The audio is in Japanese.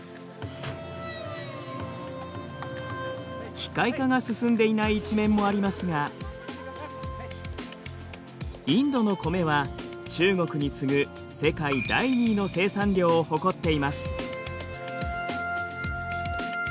機械化が進んでいない一面もありますがインドのコメは中国に次ぐ世界第２位の生産量を誇っています。